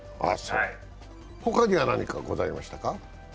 他には何かございましたか？